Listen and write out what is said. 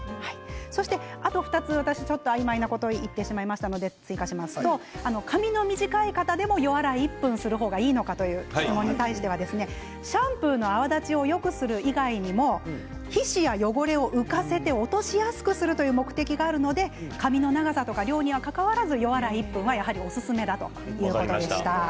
そして、２つ、あいまいなことを言ってしまいましたので追加しますと髪の短い方でも予洗い１分する方がいいのかという質問に対してシャンプーの泡立ちをよくする以外にも皮脂や汚れを浮かせて落としやすくするという目的があるので髪の長さとか量にかかわらず、予洗い１分はやはりおすすめということでした。